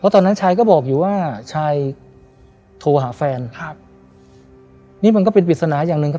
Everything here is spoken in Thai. ตอนนั้นชายก็บอกอยู่ว่าชายโทรหาแฟนครับนี่มันก็เป็นปริศนาอย่างหนึ่งครับ